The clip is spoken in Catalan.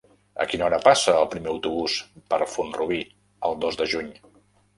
A quina hora passa el primer autobús per Font-rubí el dos de juny?